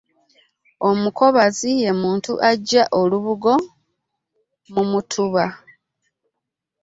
Omukomazi ye muntu aggya olubugo mu mutuba.